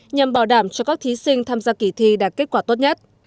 nhằm bảo đảm cho các thí sinh tham gia kỳ thi đạt kết quả tốt nhất